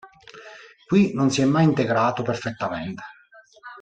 Qui non si è mai integrato perfettamente.